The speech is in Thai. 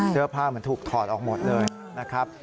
เสื้อผ้าเหมือนถูกถอดออกหมดเลยนะครับ